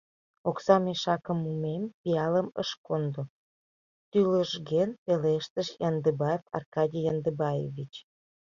— Окса мешакым мумем пиалым ыш кондо... — тӱлыжген пелештыш Яндыбаев Аркадий Яндыбаевич.